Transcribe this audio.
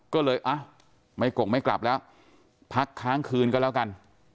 ก็เลยไม่ก่งไม่กลับแล้วพักค้างคืนก็แล้วกัน